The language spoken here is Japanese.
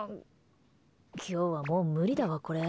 今日はもう無理だわ、これ。